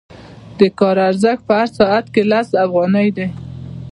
د کار ارزښت په هر ساعت کې لس افغانۍ دی